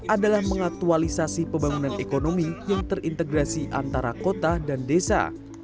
adalah mengaktualisasi pembangunan ekonomi yang terintegrasi antara kota dan desa